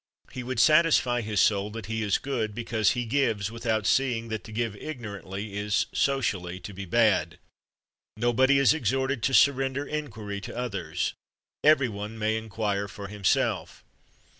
He would satisfy his soul that he is good because he gives, without seeing that to give ignorantly is, socially, to be bad. Nobody is exhorted to surrender inquiry to others. Every one may inquire for himself.